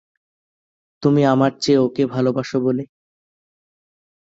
তুমি আমার চেয়ে ওকে ভালোবাস বলে।